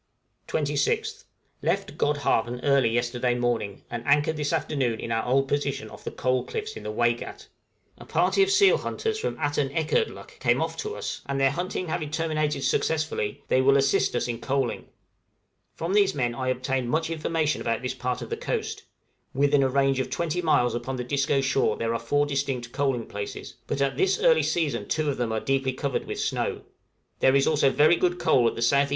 {COALING.} 26th. Left Godhavn early yesterday morning, and anchored this afternoon in our old position off the Coal Cliffs in the Waigat; a party of seal hunters from Atanekerdluk came off to us, and their hunting having terminated successfully, they will assist us in coaling. From these men I obtained much information about this part of the coast; within a range of 20 miles upon the Disco shore there are four distinct coaling places; but at this early season two of them are deeply covered with snow. There is also very good coal at the S.E.